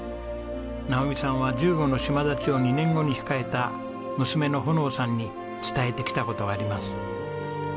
直己さんは１５の島立ちを２年後に控えた娘の穂の生さんに伝えてきた事があります。